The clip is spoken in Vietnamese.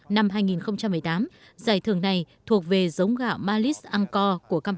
năm hai nghìn một mươi tám giải thưởng này thuộc về giống gạo malice angkor